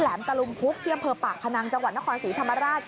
แหลมตลุมพุกเทียมเผลอปากพนังจังหวัดนครศรีธรรมราช